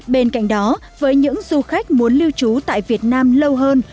bên cạnh đó với những du khách muốn lưu trú tại việt nam lâu hơn